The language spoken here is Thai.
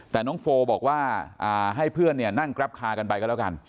แต่น้องโฟบอกว่าให้เพื่อนนั่งแกรปคากันไปก็แล้วกัน